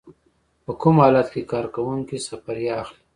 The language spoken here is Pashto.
په کوم حالت کې کارکوونکی سفریه اخلي؟